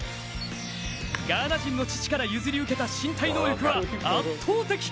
ガーナ人の父から譲り受けた身体能力は圧倒的。